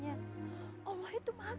kamu mulai teman